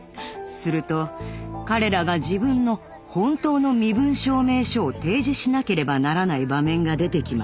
すると彼らが自分の本当の身分証明書を提示しなければならない場面が出てきます。